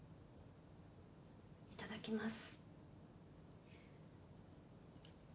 いただきます。